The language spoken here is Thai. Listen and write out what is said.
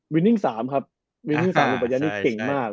วินิ่ง๓ครับโรบอทยานี่เก่งมาก